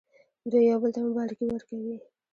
دوی یو بل ته مبارکي ورکوي.